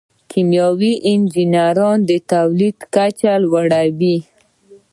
کیمیاوي انجینران د تولید کچه لوړوي.